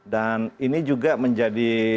dan ini juga menjadi